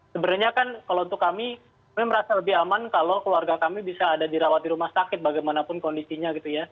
sebenarnya kan kalau untuk kami kami merasa lebih aman kalau keluarga kami bisa ada dirawat di rumah sakit bagaimanapun kondisinya gitu ya